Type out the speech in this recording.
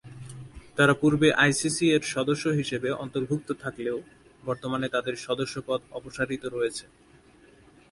তারা পূর্বে আইসিসি এর সদস্য হিসেবে অন্তর্ভুক্ত থাকলেও, বর্তমানে তাদের সদস্যপদ অপসারিত রয়েছে।